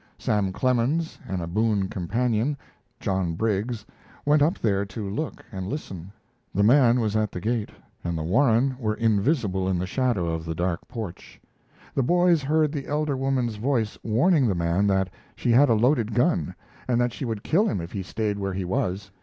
Sam Clemens and a boon companion, John Briggs, went up there to look and listen. The man was at the gate, and the warren were invisible in the shadow of the dark porch. The boys heard the elder woman's voice warning the man that she had a loaded gun, and that she would kill him if he stayed where he was.